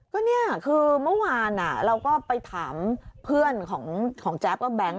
ก็เนี่ยคือเมื่อวานเราก็ไปถามเพื่อนของแจ๊บก็แบงค